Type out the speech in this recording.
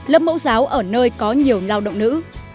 lớp mẫu giáo ở nơi có nhiều lao động nữ